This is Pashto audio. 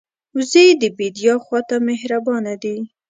وزې د بیدیا خوا ته مهربانه ده